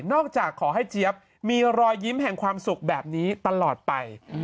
จากขอให้เจี๊ยบมีรอยยิ้มแห่งความสุขแบบนี้ตลอดไป